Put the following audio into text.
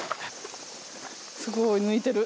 すごい抜いてる。